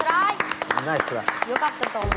よかったと思う。